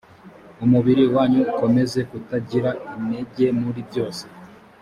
umubiri wanyu ukomeze kutagira inenge muri byose